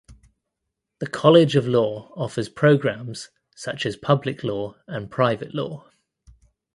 The College of Law offers programs such as Public Law and Private Law.